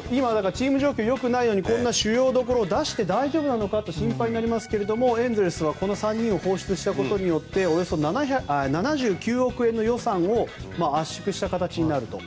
チーム状況が良くないのにこんな主要どころを出して大丈夫なのかと心配になりましたがエンゼルスはこの３人を放出したことによっておよそ７９億円の予算を圧縮した形になると。